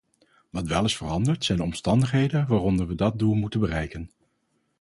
Wat wel is veranderd, zijn de omstandigheden waaronder we dat doel moeten bereiken.